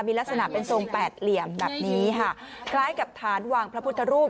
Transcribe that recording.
มีลักษณะเป็นทรงแปดเหลี่ยมแบบนี้ค่ะคล้ายกับฐานวางพระพุทธรูป